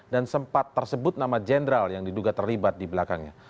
dan sempat tersebut nama jenderal yang diduga terlibat di belakangnya